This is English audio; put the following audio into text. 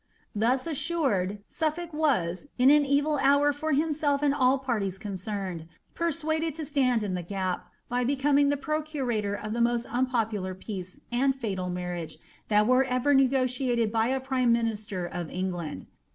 Thus assured, Suffolk was, in an evil hour for himself and aU parties concerned, persuaded to stand in the gap, by becoming the pro eoimtor of the most unpopular peace, and fatal marriage, that were ever negotiated by a prime minister of England.